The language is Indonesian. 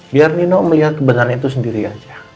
biar nino melihat kebenaran itu sendiri aja